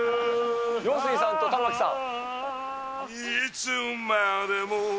陽水さんと玉置さん。